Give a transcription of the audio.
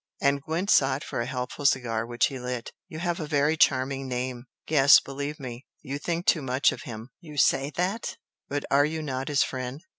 and Gwent sought for a helpful cigar which he lit "You have a very charming name! Yes believe me, you think too much of him!" "You say that? But are you not his friend?"